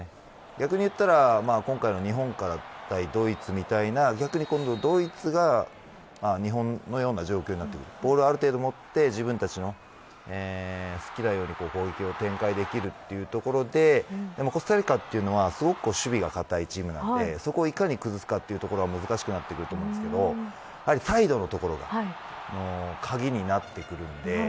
逆に言えば今回の日本対ドイツみたいなドイツが日本のような状況になってボールをある程度、持って自分たちの好きなように攻撃を展開できるということでしかしコスタリカは守備が堅いチームですのでそこをいかに崩すかが難しくなってくると思うんですけどやはりサイドの所が鍵になってきます。